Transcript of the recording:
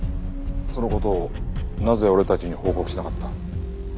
その事をなぜ俺たちに報告しなかった？